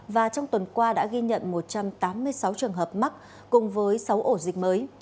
và trong tuần qua đã ghi nhận một trăm tám mươi sáu trường hợp mắc cùng với sáu ổ dịch mới